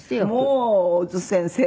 もう小津先生はね